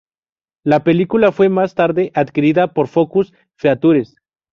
La película fue más tarde adquirida por Focus Features.